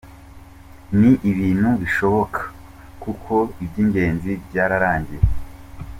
Ni ibintu bishoboka kuko iby’ingenzi byararangiye.